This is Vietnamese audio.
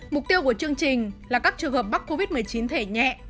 mục tiêu của chương trình là các trường hợp mắc covid một mươi chín thể nhẹ